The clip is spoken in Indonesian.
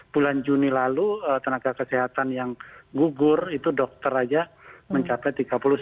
bulan juni lalu tenaga kesehatan yang gugur itu dokter aja mencapai tiga puluh sembilan